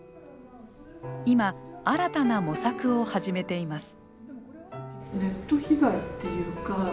今、新たな模索を始めています。